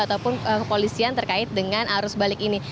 ataupun kepolisian terkait dengan arus balik ini